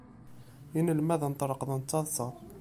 Inalmaden ṭṭreḍqen d taḍsa.